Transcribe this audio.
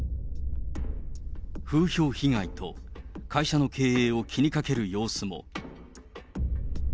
風評被害と、会社の経営を気にかける様子も。